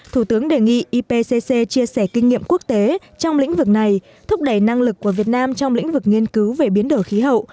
thủ tướng đề nghị ipccc chia sẻ kinh nghiệm quốc tế trong lĩnh vực này thúc đẩy năng lực của việt nam trong lĩnh vực nghiên cứu về biến đổi khí hậu